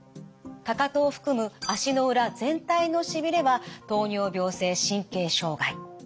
かかとを含む足の裏全体のしびれは糖尿病性神経障害。